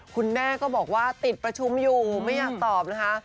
คุณแม่ก็บอกว่าติดประชุมอยู่ไม่อยากตอบนะคะ